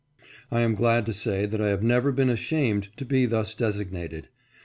I am glad to say that I have never been ashamed to be thus designated.